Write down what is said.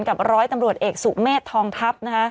กับร้อยตำรวจเอกสุเมฆทองทัพ